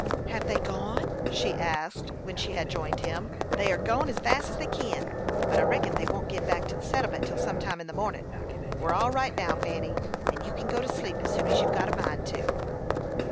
"Have they gone?" she asked, when she had joined him. "They are go'n as fast as they kin; but I reckon they won't git back to the settlement till some time into mornin'. We're all right now, Fanny, and you kin go to sleep as soon as you've a mind to."